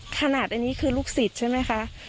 ขนาดอันนี้คือลูกศิษย์ใช่ไหมคะ